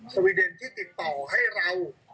สวีเดนที่ติดต่อให้เรา